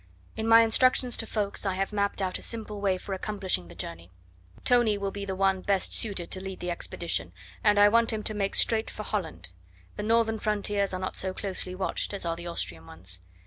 In my instructions to Ffoulkes I have mapped out a simple way for accomplishing the journey. Tony will be the one best suited to lead the expedition, and I want him to make straight for Holland; the Northern frontiers are not so closely watched as are the Austrian ones.